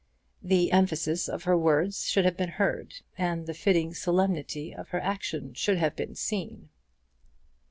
The emphasis of her words should have been heard, and the fitting solemnity of her action should have been seen.